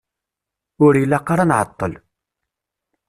Ur ilaq ara ad nεeṭṭel.